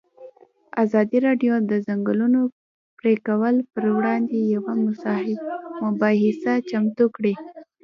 ازادي راډیو د د ځنګلونو پرېکول پر وړاندې یوه مباحثه چمتو کړې.